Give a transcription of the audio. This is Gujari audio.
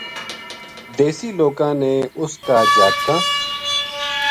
دیسی لوکاں نے اس کا جاتکاں